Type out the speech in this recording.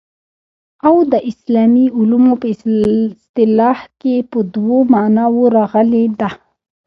او د اسلامي علومو په اصطلاح کي په دوو معناوو راغلې ده.